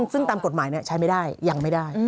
ซึ่งตามกฎหมายใช้ไม่ได้ยังไม่ได้